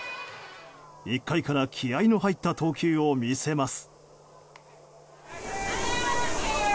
１回から気合の入った投球を見せます。